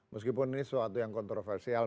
meskipun ini suatu yang kontroversial